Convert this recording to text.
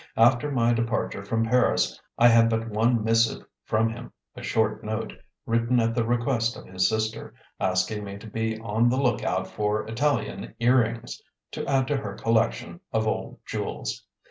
After my departure from Paris I had but one missive from him, a short note, written at the request of his sister, asking me to be on the lookout for Italian earrings, to add to her collection of old jewels.